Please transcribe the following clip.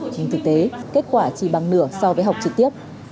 trên thực tế kết quả chỉ bằng nửa so với học trực tiếp